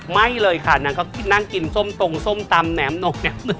ไม่เลยค่ะนางก็นั่งกินส้มตรงส้มตำแหนมหนก